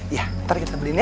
iya ntar kita beliin ya